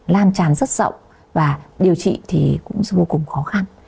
lan tràn rất rộng và điều trị thì cũng vô cùng khó khăn